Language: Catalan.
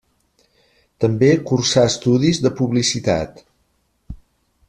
També cursà estudis de publicitat.